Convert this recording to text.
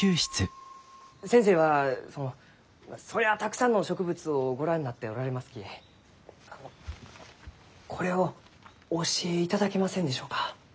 先生はそのそりゃあたくさんの植物をご覧になっておられますきあのこれをお教えいただけませんでしょうか？